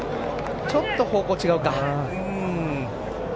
ちょっと方向違うか。